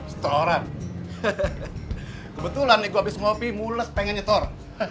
setoran kebetulan nih gue abis ngopi mules pengen nyetor